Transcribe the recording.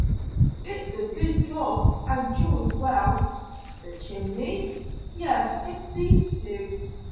"It's a good job and draws well." "The chimney? Yes, it seems to."